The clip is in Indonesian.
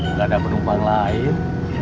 gak ada penumpang lain